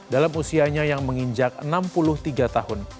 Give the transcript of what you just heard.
dalam usianya yang menginjak enam puluh tiga tahun